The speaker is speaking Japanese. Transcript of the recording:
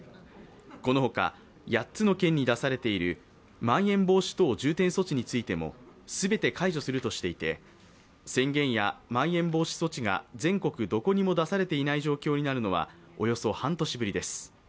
このほか、８つの県に出されているまん延防止等重点措置についても、全て解除するとしていて、宣言やまん延防止措置が全国どこにも出されていない状況になるのはおよそ半年ぶりです。